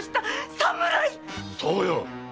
そうよ！